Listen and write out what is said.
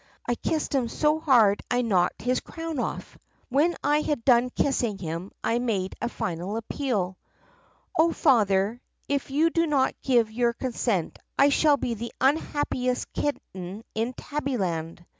I kissed him so hard I knocked his crown off. "When I had done kissing him I made a final appeal: 'O Father, if you do not give your consent I shall be the un happiest kitten in Tabbyland!